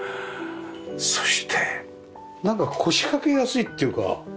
そしてなんか腰掛けやすいっていうか。